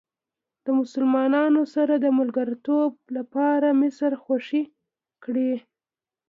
د مسلمانانو سره د ملګرتوب لپاره مصر خوشې کړئ.